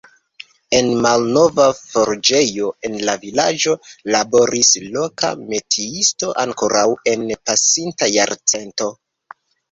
En malnova forĝejo en la vilaĝo laboris loka metiisto ankoraŭ en pasinta jarcento.